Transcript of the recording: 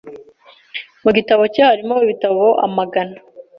Mu gitabo cye harimo ibitabo amagana.